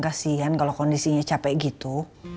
kasian kalau kondisinya capek gitu